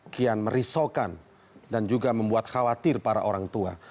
kian merisaukan dan juga membuat khawatir para orang tua